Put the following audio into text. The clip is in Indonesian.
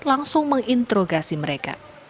langsung menginterogasi mereka